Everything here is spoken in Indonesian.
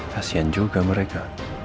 kasian juga mereka